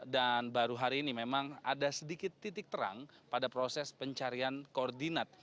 dan baru hari ini memang ada sedikit titik terang pada proses pencarian koordinat